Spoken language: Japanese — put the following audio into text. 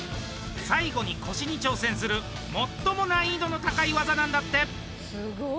最後に腰に挑戦する最も難易度の高い技なんだって。